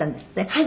「はい」